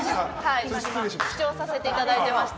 視聴させていただいていました。